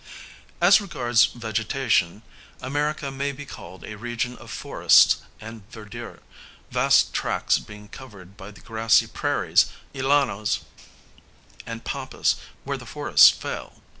As regards vegetation America may be called a region of forests and verdure, vast tracts being covered by the grassy prairies, llanos, and pampas where the forests fail.